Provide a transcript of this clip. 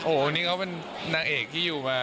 โอ้โหนี่เขาเป็นนางเอกที่อยู่มา